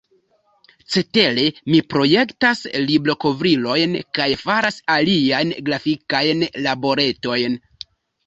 Cetere mi projektas librokovrilojn kaj faras aliajn grafikajn laboretojn.